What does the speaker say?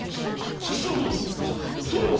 月島殿それは！